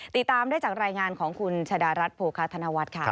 ติดตามได้จากรายงานของคุณชะดารัฐโภคาธนวัฒน์ค่ะ